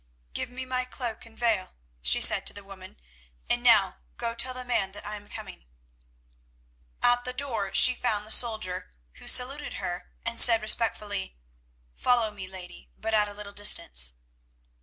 "Give me my cloak and veil," she said to the woman, "and now go tell the man that I am coming." At the door she found the soldier, who saluted her, and said respectfully, "Follow me, lady, but at a little distance."